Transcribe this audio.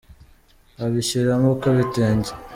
abishyiramo ko ibitege.